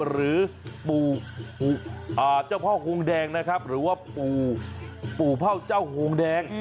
หรือปู่อ่าเจ้าพ่อหุงแดงนะครับหรือว่าปู่เจ้าหุงแดง